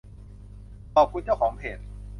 ขอบคุณเจ้าของเพจ